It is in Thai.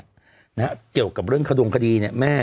นะฮะเกี่ยวกับเรื่องขดงคดีเนี่ยแม่